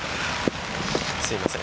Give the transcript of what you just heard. すみません。